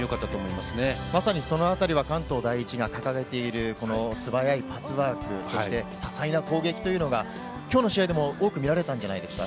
まさにそのあたりは関東第一が掲げている素早いパスワーク、そして多彩な攻撃というのが今日の試合でも多く見られたんじゃないですか。